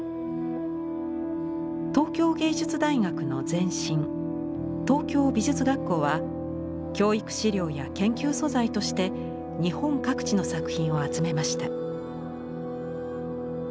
東京藝術大学の前身東京美術学校は教育資料や研究素材として日本各地の作品を集めました。